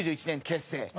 １９９１年結成。